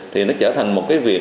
thì nó trở thành một cái việc